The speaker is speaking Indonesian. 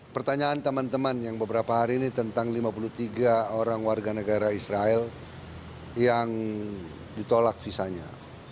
pertanyaan teman teman yang beberapa hari ini tentang lima puluh tiga orang warga negara israel yang ditolak visanya